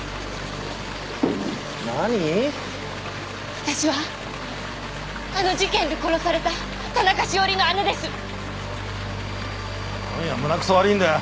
私はあの事件で殺された田中栞の姉今夜は胸くそ悪いんだよ